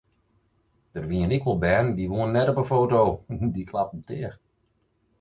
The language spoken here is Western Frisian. Der wienen ek wol bern dy woenen net op de foto, dy klapten ticht.